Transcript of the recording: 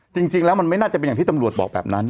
จริงแล้วมันไม่น่าจะเป็นอย่างที่ตำรวจบอกแบบนั้น